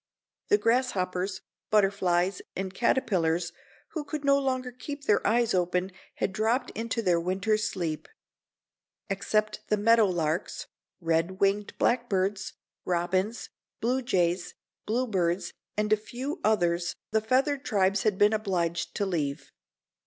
The grasshoppers, butterflies and caterpillars who could no longer keep their eyes open had dropped into their winter's sleep. Except the meadow larks, red winged blackbirds, robins, blue jays, bluebirds and a few others the feathered tribes had been obliged to leave.